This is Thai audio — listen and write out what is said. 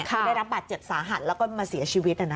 คือได้รับบาดเจ็บสาหัสแล้วก็มาเสียชีวิต